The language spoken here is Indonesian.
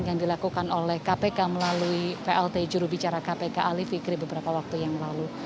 dan ini juga dilakukan oleh kpk melalui plt jurubicara kpk alif ikri beberapa waktu yang lalu